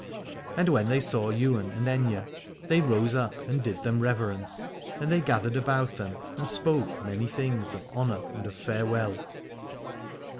And when they saw Ywain and Aithne they rose up and did them reverence, and they gathered about them and spoke many things of honour and of farewell.